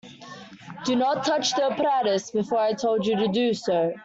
Do not touch the apparatus before I told you to do so.